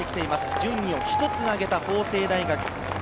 順位を１つ上げた法政大学。